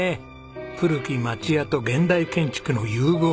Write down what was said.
古き町家と現代建築の融合。